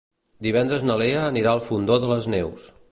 Divendres na Lea anirà al Fondó de les Neus.